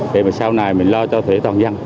để mà sau này mình lo cho thể toàn dân